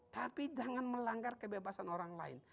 tapi jangan melanggar kebebasan orang lain